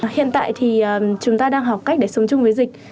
hiện tại thì chúng ta đang học cách để sống chung với dịch